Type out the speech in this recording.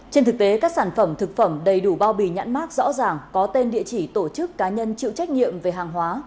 trên thực tế các sản phẩm thực phẩm đầy đủ bao bì nhãn mát rõ ràng có tên địa chỉ tổ chức cá nhân chịu trách nhiệm về hàng hóa